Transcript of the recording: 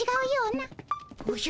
おじゃ。